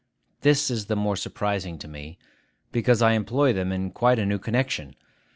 This is the more surprising to me, because I employ them in quite a new connection.